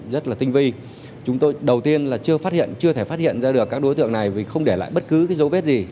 rất là tinh vi chúng tôi đầu tiên là chưa thể phát hiện ra được các đối tượng này vì không để lại bất cứ dấu vết gì